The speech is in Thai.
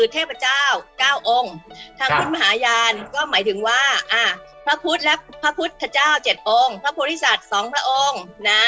ทางคุณมหาญาณก็หมายถึงว่าพระพุทธและพระพุทธพระเจ้าเจ็ดองค์พระพุทธศัตริย์สองพระองค์